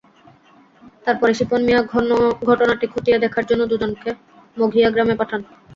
তারপরে শিপন মিনা ঘটনাটি খতিয়ে দেখার জন্য দুজনকে মঘিয়া গ্রামে পাঠান।